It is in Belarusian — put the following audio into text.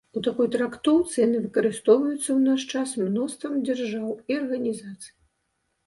У такой трактоўцы яны выкарыстоўваюцца ў наш час мноствам дзяржаў і арганізацый.